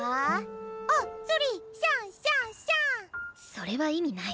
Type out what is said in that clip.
それは意味ない。